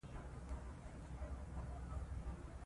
ازادي راډیو د د جګړې راپورونه په اړه د استادانو شننې خپرې کړي.